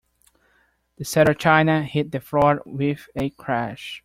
The set of china hit the floor with a crash.